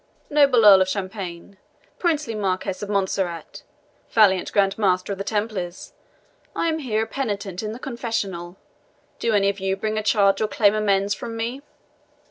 "Noble Earl of Champagne princely Marquis of Montserrat valiant Grand Master of the Templars I am here a penitent in the confessional. Do any of you bring a charge or claim amends from me?"